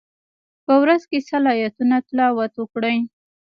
په ورځ کی سل آیتونه تلاوت وکړئ.